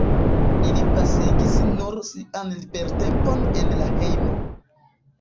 Ili pasigis nur sian libertempon en la hejmo.